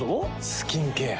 スキンケア。